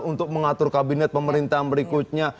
untuk mengatur kabinet pemerintahan berikutnya